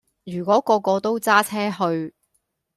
如果個個都揸車去